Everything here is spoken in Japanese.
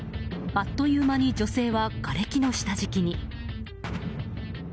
あっという間に女性はがれきの下敷きに。